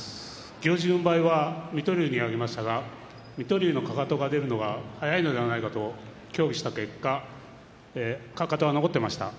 行司軍配は水戸龍に上げましたが水戸龍のかかとが出るのが早いのではないかと協議した結果かかとは残っていました。